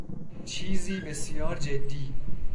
چیزی بسیار جدی